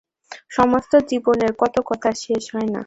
সমস্ত জীবনের কত কথা শেষ হয় না।